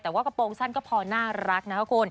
แต่ว่ากระโปรงสั้นก็พอน่ารักนะคะคุณ